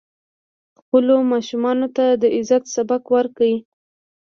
خپلو ماشومانو ته د عزت سبق ورکړئ.